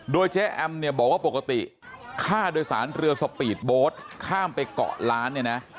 โดยเจ๊แอมเนี่ยบอกว่าปกติค่าโดยสารเรือสปีดโบสต์ข้ามไปเกาะล้านเนี่ยนะ